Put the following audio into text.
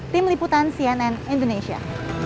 tim liputan cnn indonesia